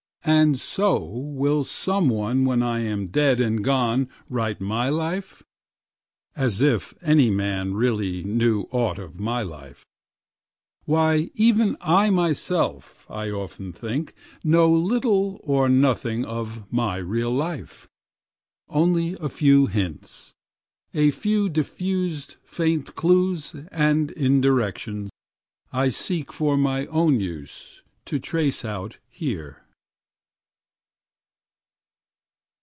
And so will some one when I am dead and gone write my life? (As if any man really knew aught of my life, Why even I myself I often think know little or nothing of my real life, Only a few hints, a few diffused faint clews and indirections I seek for my own use to trace out here.)